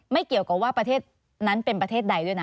เกี่ยวกับว่าประเทศนั้นเป็นประเทศใดด้วยนะ